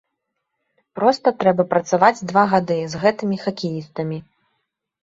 Проста трэба працаваць два гады з гэтымі хакеістамі.